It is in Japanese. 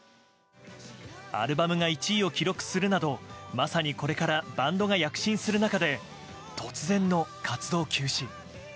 アルバムが１位を記録するなどまさにこれからバンドが躍進する中で突然の活動休止。